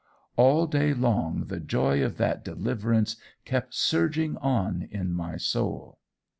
All day long the joy of that deliverance kept surging on in my soul.